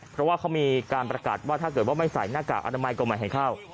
เพราะว่าเขามีการประกาศว่าถ้าเกิดว่าไม่ใส่หน้ากากอนามัยก็ไม่ให้เข้า